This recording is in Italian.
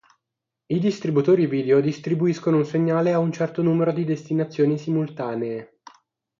I Distributori video distribuiscono un segnale a un certo numero di destinazioni simultanee.